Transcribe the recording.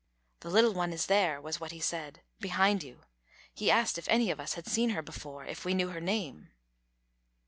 "The little one is there," was what he said, "behind you. He asked if any of us had seen her before; if we knew her name."